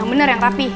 yang bener yang rapi